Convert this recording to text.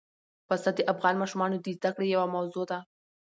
پسه د افغان ماشومانو د زده کړې یوه موضوع ده.